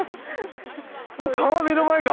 もう川目の前が。